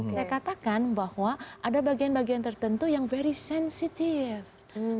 saya katakan bahwa ada bagian bagian tertentu yang very sensitive